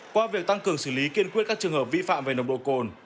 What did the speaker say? qua việc tăng cường xử lý kiên quyết các trường hợp vi phạm về nồng độ cồn